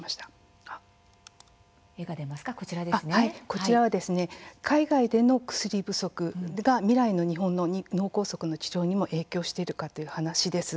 こちらは海外での薬不足が未来の日本の脳梗塞治療に影響するかもしれないという話です。